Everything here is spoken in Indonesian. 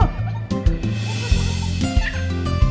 tunggu hemen tem ya